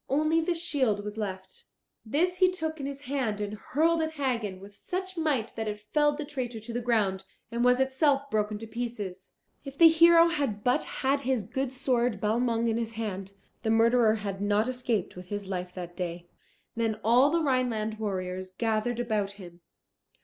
Only the shield was left. This he took in his hand and hurled at Hagen with such might that it felled the traitor to the ground, and was itself broken to pieces. If the hero had but had his good sword Balmung in his hand, the murderer had not escaped with his life that day. Then all the Rhineland warriors gathered about him.